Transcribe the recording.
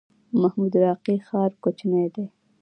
محمود راقي ښار کوچنی دی؟